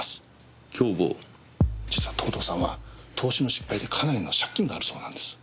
実は藤堂さんは投資の失敗でかなりの借金があるそうなんです。